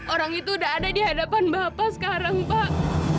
orang itu udah ada di hadapan bapak sekarang pak